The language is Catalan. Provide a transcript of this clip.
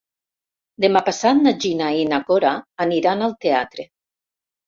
Demà passat na Gina i na Cora aniran al teatre.